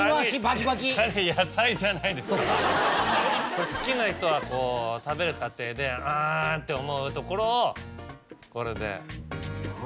これ好きな人は食べる過程であ！って思うところをこれで。